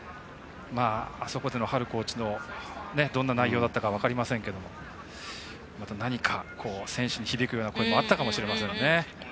あそこでの波留コーチのどんな内容だったか分かりませんが、また何か選手に響くこともあったかもしれないですね。